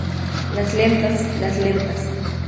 las lentas. las lentas.